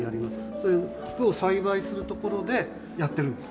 そういう菊を栽培する所でやってるんです。